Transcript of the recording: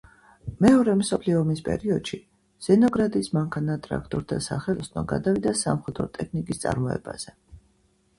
მეორე მსოფლიო ომის პერიოდში ზერნოგრადის მანქანა-ტრაქტორთა სახელოსნო გადავიდა სამხედრო ტექნიკის წარმოებაზე.